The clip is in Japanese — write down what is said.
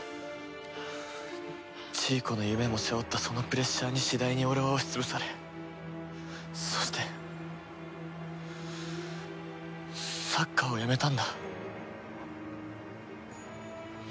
ジーコの夢も背負ったそのプレッシャーに次第に俺は押し潰されそしてサッカーをやめたんだ。